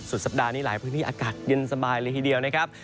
สัปดาห์นี้หลายพื้นที่อากาศเย็นสบายเลยทีเดียวนะครับ